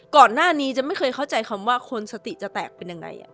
ก่อนหน้านี้จะไม่เคยเข้าใจคำว่าคนสติจะแตกเป็นยังไง